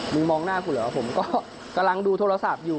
มองหน้ากูเหรอผมก็กำลังดูโทรศัพท์อยู่